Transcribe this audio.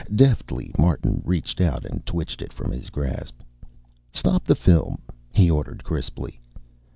Deftly Martin reached out and twitched it from his grasp. "Stop the film," he ordered crisply.